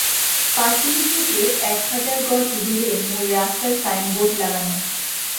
পাঁচিল থেকে এক হাজার গজ দূরে মূল রাস্তায় সাইনবোর্ড লাগানো।